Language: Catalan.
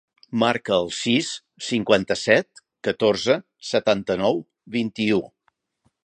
Marca el sis, cinquanta-set, catorze, setanta-nou, vint-i-u.